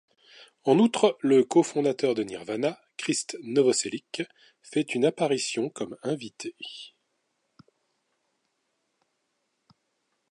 En outre, le cofondateur de Nirvana, Krist Novoselic, fait une apparition comme invité.